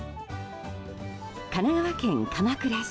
神奈川県鎌倉市。